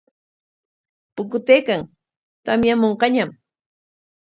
Pukutaykan, tamyamunqañam.